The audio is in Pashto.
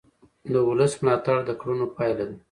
د ولس ملاتړ د کړنو پایله ده